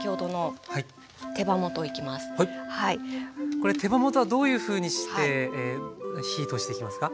これ手羽元はどういうふうにして火通していきますか？